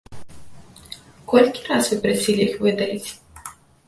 Колькі раз вы прасілі іх выдаліць?